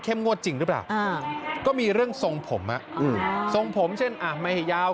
งวดจริงหรือเปล่าก็มีเรื่องทรงผมทรงผมเช่นไม่ให้ยาว